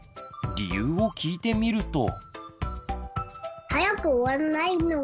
理由を聞いてみると。